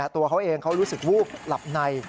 ตัวเขาเองเขารู้สึกวูบหลับใน